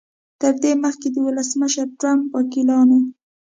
تر دې مخکې د ولسمشر ټرمپ وکیلانو